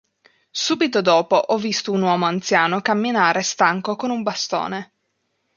Subito dopo ho visto un uomo anziano camminare stanco con un bastone.